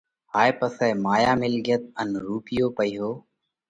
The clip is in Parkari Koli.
هائي سئہ مايا، مِلڳت ان رُوپيو پئِيهو۔